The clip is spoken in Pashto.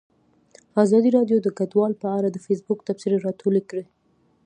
ازادي راډیو د کډوال په اړه د فیسبوک تبصرې راټولې کړي.